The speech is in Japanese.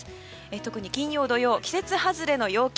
特に金曜、土曜季節外れの陽気。